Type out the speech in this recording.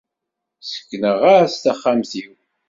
Sekneɣ-as taxxamt-iw.